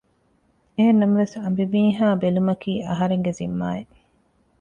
އެހެންނަމަވެސް އަނބިމީހާ ބެލުމަކީ އަހަރެންގެ ޒިންމާއެއް